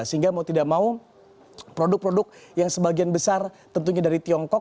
sehingga mau tidak mau produk produk yang sebagian besar tentunya dari tiongkok